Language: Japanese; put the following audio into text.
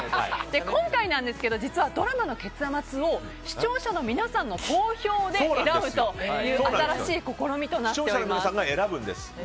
今回なんですが実はドラマの結末を視聴者の皆さんの投票で選ぶという新しい試みとなっております。